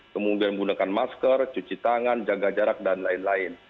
kemudian menggunakan masker cuci tangan jaga jarak dan lain lain